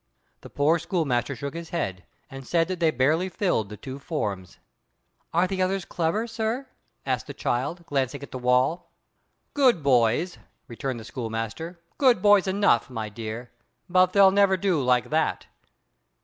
The poor schoolmaster shook his head, and said that they barely filled the two forms. "Are the others clever, sir?" asked the child, glancing at the wall. "Good boys," returned the schoolmaster. "good boys enough, my dear; but they'll never do like that."